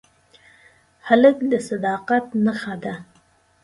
هلک د صداقت نښه ده.